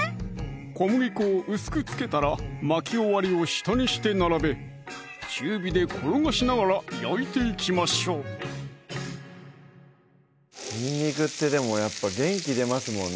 小麦粉を薄く付けたら巻き終わりを下にして並べ中火で転がしながら焼いていきましょうにんにくってでもやっぱ元気出ますもんね